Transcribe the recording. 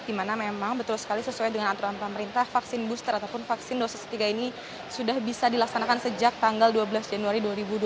di mana memang betul sekali sesuai dengan aturan pemerintah vaksin booster ataupun vaksin dosis ketiga ini sudah bisa dilaksanakan sejak tanggal dua belas januari dua ribu dua puluh